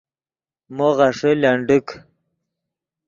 مو غیݰے لنڈیک